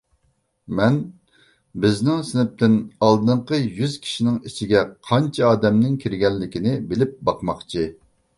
مەن بىزنىڭ سىنىپتىن ئالدىنقى يۈز كىشىنىڭ ئىچىگە قانچە ئادەمنىڭ كىرگەنلىكىنى بىلىپ باقماقچى.